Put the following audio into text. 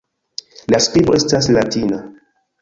La skribo estas latina.